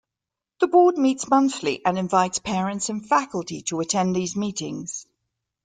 The Board meets monthly and invites parents and faculty to attend these meetings.